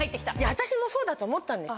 私もそうだと思ったんです。